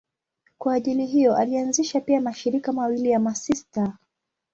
Kwa ajili hiyo alianzisha pia mashirika mawili ya masista.